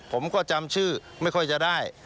ผมก็จำชื่อไม่ค่อยจะได้